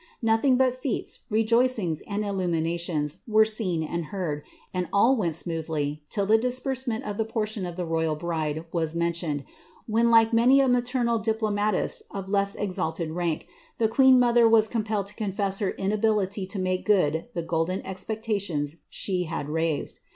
^ ng but fetes, rejoicings, and illuminations, were seen and heard, vent smoothly, till the disbursement of the portion of the royal 8 mentioned, when, like many a maternal diplomatist of less mk^ the queen mother was compelled to confess her inability yood the golden expectations she had raised.